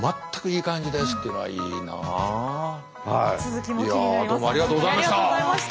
いやどうもありがとうございました。